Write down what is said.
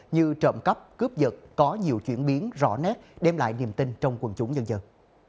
như trộm cắp cướp giật có nhiều chuyển biến rõ nét đem lại niềm tin trong quần chúng nhân dân